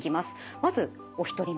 まずお一人目。